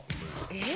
えっ？